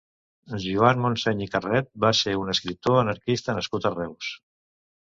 Joan Montseny i Carret va ser un escriptor anarquista nascut a Reus.